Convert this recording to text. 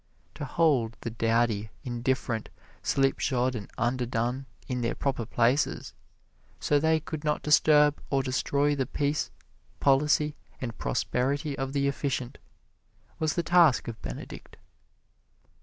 To hold the dowdy, indifferent, slipshod and underdone in their proper places, so they could not disturb or destroy the peace, policy and prosperity of the efficient, was the task of Benedict.